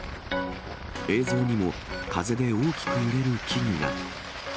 映像にも、風で大きく揺れる木々が。